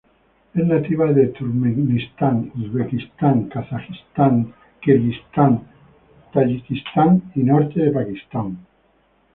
Es nativa de Turkmenistán, Uzbekistán, Kazajistán, Kirguistán, Tayikistán y norte de Pakistán.